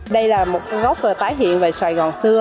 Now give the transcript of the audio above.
đây là một gốc tái hiện về sài gòn xưa